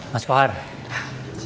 masa depan aku